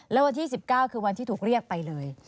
แล้ววันที่๑๙คือวันที่ถูกเรียกไปเลย